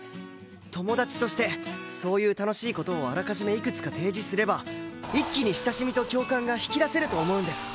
友達としてそういう楽しい事をあらかじめいくつか提示すれば一気に親しみと共感が引き出せると思うんです。